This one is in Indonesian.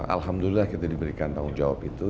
alhamdulillah kita diberikan tanggung jawab itu